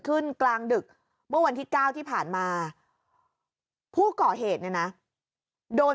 กลางดึกเมื่อวันที่๙ที่ผ่านมาผู้ก่อเหตุเนี่ยนะโดน